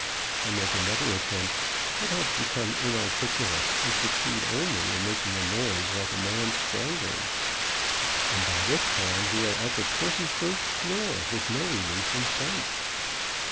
I make another attempt, but have become inarticulate and succeed only in making a noise like a man strangling. And by this time we are at the twenty first floor with no relief in sight.